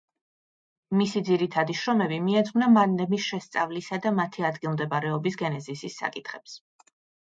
მისი ძირითადი შრომები მიეძღვნა მადნების შესწავლისა და მათი ადგილმდებარეობის გენეზისის საკითხებს.